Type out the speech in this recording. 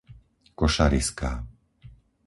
Košariská